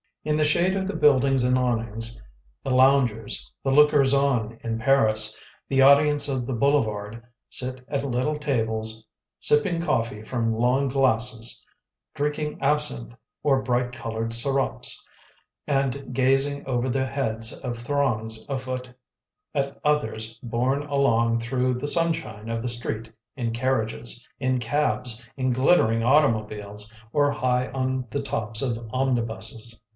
In the shade of the buildings and awnings, the loungers, the lookers on in Paris, the audience of the boulevard, sit at little tables, sipping coffee from long glasses, drinking absinthe or bright coloured sirops, and gazing over the heads of throngs afoot at others borne along through the sunshine of the street in carriages, in cabs, in glittering automobiles, or high on the tops of omnibuses.